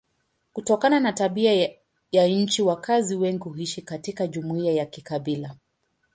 Kutokana na tabia ya nchi wakazi wengi huishi katika jumuiya za kikabila.